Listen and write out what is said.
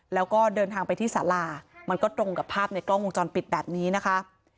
แล้วก็เดินทางไปที่สารามันก็ตรงกับภาพในกล้องวงจรปิดแบบนี้นะคะ